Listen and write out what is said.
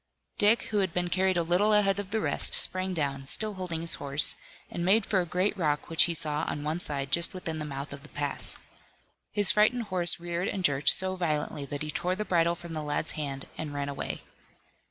Dick who had been carried a little ahead of the rest, sprang down, still holding his horse, and made for a great rock which he saw on one side just within the mouth of the pass. His frightened horse reared and jerked so violently that he tore the bridle from the lad's hand and ran away.